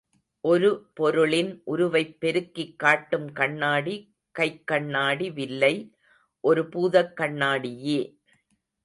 ஒரு பொருளின் உருவைப் பெருக்கிக் காட்டும் கண்ணாடி கைக்கண்ணாடி வில்லை ஒரு பூதக்கண்ணாடியே.